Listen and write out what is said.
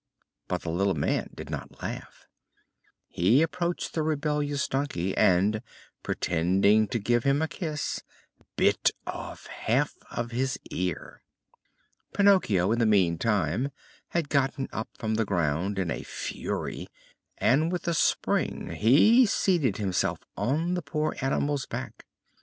But the little man did not laugh. He approached the rebellious donkey and, pretending to give him a kiss, bit off half of his ear. Pinocchio in the meantime had gotten up from the ground in a fury and, with a spring, he seated himself on the poor animal's back.